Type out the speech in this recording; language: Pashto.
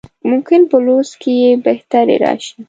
ممکن په لوست کې یې بهتري راشي.